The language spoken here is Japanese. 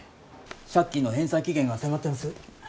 借金の返済期限が迫ってます。